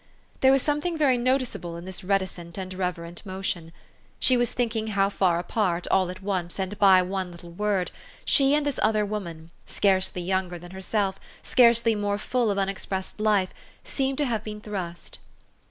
There was something very noticeable in this reticent and reverent motion. She was thinking how far apart, all at once, and by one little word, she and this other woman, scarcely younger than THE STOEY OF AVIS. 161 herself, scarcely more full of unexpressed life, seemed to have been thrust.